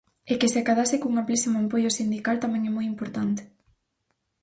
E que se acadase cun amplísimo apoio sindical tamén é moi importante.